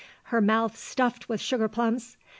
her mouth stuffed with sugar plums